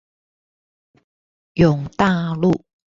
永大路